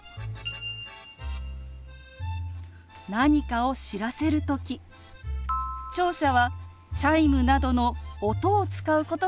何かを知らせる時聴者はチャイムなどの音を使うことが多いですよね。